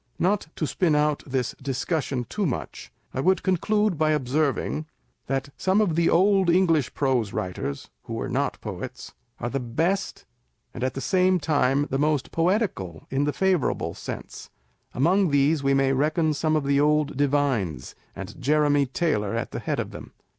Not to spin out this discussion too much, I would con clude by observing, that some of the old English prose writers (who were not poets) are the best, and, at the same time, the most poetical in the favourable sense. Among these we may reckon some of the old divines, and Jeremy Taylor at the head of them.